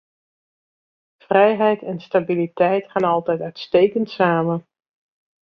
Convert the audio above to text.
Vrijheid en stabiliteit gaan altijd uitstekend samen.